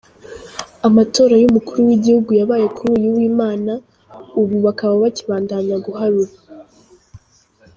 Amatora y'umukuru w'igihugu yabaye kuri uyu w'Imana, ubu bakaba bakibandanya guharura.